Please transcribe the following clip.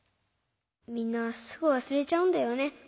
みんなすぐわすれちゃうんだよね。